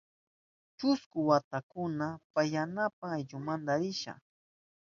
Chusku watamanta pasyanapa aylluynita risha.